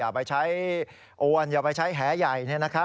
อย่าไปใช้อวนอย่าไปใช้แหใหญ่